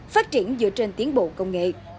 phát triển dựa trên tiến bộ công nghệ